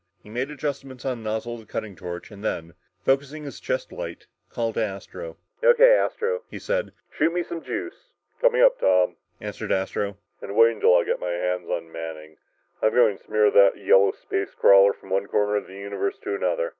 He made adjustments on the nozzle of the cutting torch, and then, focusing his chest light, called to Astro. "O.K., Astro," he said, "shoot me the juice!" "Coming up, Tom!" answered Astro. "And wait till I get my hands on that Manning! I'm going to smear that yellow space crawler from one corner of the universe to another!"